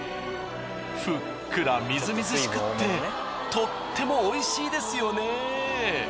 ふっくらみずみずしくってとっても美味しいですよね。